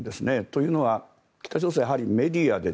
というのは北朝鮮はやはりメディアで